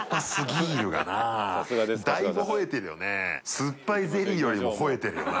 「酸っぱいゼリー」よりも吠えてるよな。